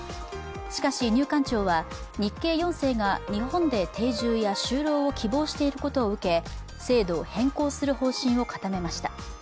しかし入管庁は日系４世が日本で定住や就労を希望していることを受け、制度を変更する方針を固めました。